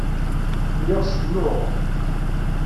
Lliɣ cennuɣ.